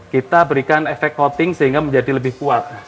kita berikan efek voting sehingga menjadi lebih kuat